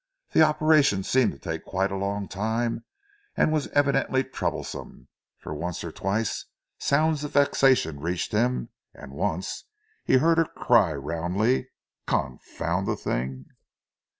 The operation seemed to take quite a long time and was evidently troublesome, for once or twice sounds of vexation reached him and once he heard her cry roundly: "Confound the thing!"